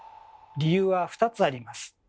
理由は２つあります。